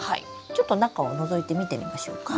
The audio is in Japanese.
ちょっと中をのぞいて見てみましょうか。